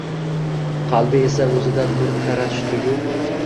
Qalbi esa o‘zidan nur taratish tugul